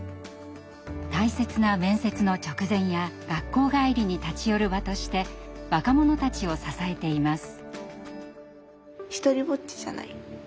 大切な面接の直前や学校帰りに立ち寄る場として若者たちを支えています。